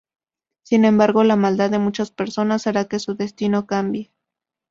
Sin embargo, la maldad de muchas personas hará que su destino cambie.